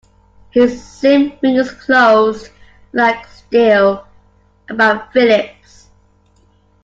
His slim fingers closed like steel about Philip's.